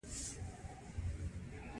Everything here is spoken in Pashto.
پانګوال د اضافي ارزښت د زیاتوالي تږی دی